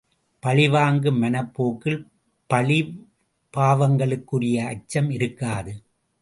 பழிவாங்கும் மனப்போக்கில் பழி பாவங்களுக்குரிய அச்சம் இருக்காது.